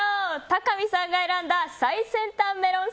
貴美さんが選んだ最先端メロン